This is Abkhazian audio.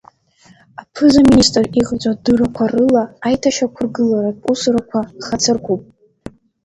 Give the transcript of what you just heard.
Аԥыза-министр иҟаиҵо адыррақәа рыла, аиҭашьақәыргыларатә усурақәа хацыркуп.